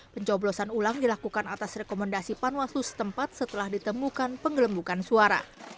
pencoblosan ulang dilakukan atas rekomendasi panwaslu setempat setelah ditemukan penggelembukan suara